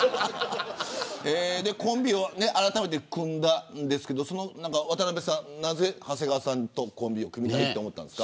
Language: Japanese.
コンビをあらためて組んだんですけど渡辺さん、なぜ長谷川さんとコンビを組みたいと思ったんですか。